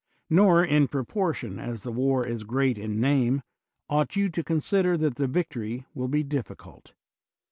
Nor, in pro portion as lie war is great in name, ought you to consider that the victory will be difficult.